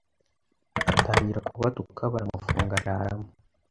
Atangira kubatuka baramufunga araramo